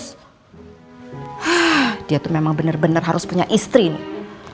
hah dia tuh memang benar benar harus punya istri nih